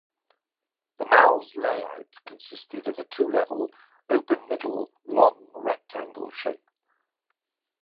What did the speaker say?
The mall's layout consisted of a two-level, open-middle, long rectangle shape.